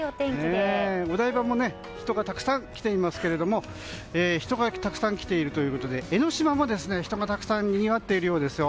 お台場も人がたくさん来ていますけれども人がたくさん来ているということで江の島も人がたくさんにぎわっているようですよ。